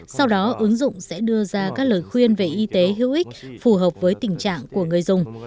sau đó ứng dụng sẽ đưa ra các lời khuyên về y tế hữu ích phù hợp với tình trạng của người dùng